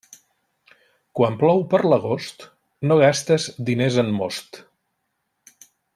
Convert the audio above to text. Quan plou per l'agost, no gastes diners en most.